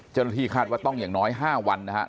เจ้าหน้าที่คาดว่าต้องอย่างน้อย๕วันนะครับ